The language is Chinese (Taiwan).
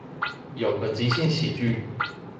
有個即興喜劇